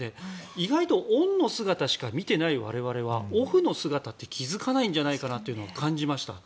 意外とオンの姿しか見ていない我々は、オフの姿では気づかないんじゃないかなと思いました。